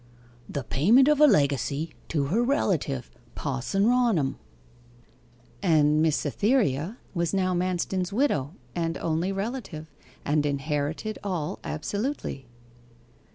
'The payment of a legacy to her relative, Pa'son Raunham.' 'And Miss Cytherea was now Manston's widow and only relative, and inherited all absolutely.